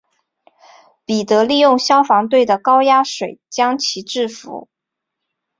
彼得利用消防队的高压水将其制伏。